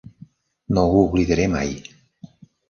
No ho oblidaré mai.